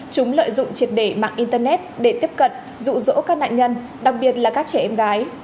chúng lợi dụng triệt để mạng internet để tiếp cận rụ rỗ các nạn nhân đặc biệt là các trẻ em gái